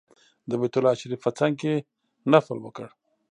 د بیت الله شریف په څنګ کې نفل وکړ.